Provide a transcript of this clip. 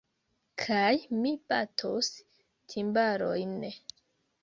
Kaj mi batos timbalojn.